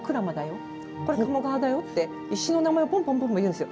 これ鴨川だよって石の名前をぽんぽん言うんですよ。